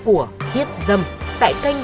của hiết dâm tại kênh